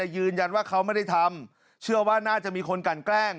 ยืนยันว่าเขาไม่ได้ทำเชื่อว่าน่าจะมีคนกันแกล้ง